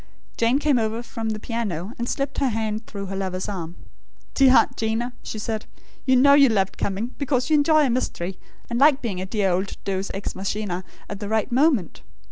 Jane came over from the piano, and slipped her hand through her lover's arm. "Dear Aunt 'Gina," she said; "you know you loved coming; because you enjoy a mystery, and like being a dear old 'deus ex machina,' at the right moment.